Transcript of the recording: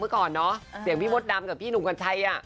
เมื่อก่อนเนาะเสียงพี่โมดำกับพี่หนูกันใช่อ่ะ